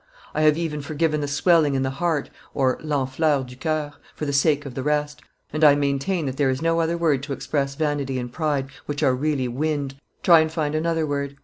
I have even forgiven the swelling in the heart (l'enflure du coeur) for the sake of the rest, and I maintain that there is no other word to express vanity and pride, which are really wind: try and find another word.